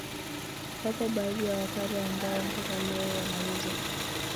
Wapo baadhi ya Wapare ambao mpaka leo wanaweza